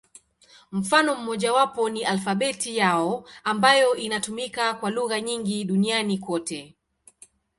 Mfano mmojawapo ni alfabeti yao, ambayo inatumika kwa lugha nyingi duniani kote.